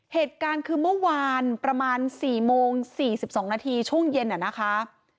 เหตุการณ์คือเมื่อวานประมาณ๔โมง๔๒นาทีช่วงเย็นนะคะ